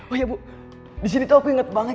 oh iya bu disini tuh aku inget banget